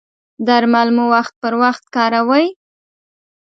درمل مو وخت پر وخت کاروئ؟